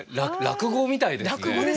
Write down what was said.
落語みたいですね。